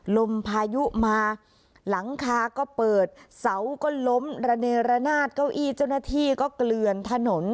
ลมพายุมาหลังคาก็เปิดเสาก็ล้มระเนระนาดเก้าอี้เจ้าหน้าที่ก็เกลือนถนน